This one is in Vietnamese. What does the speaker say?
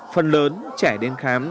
phần lớn trẻ đến khám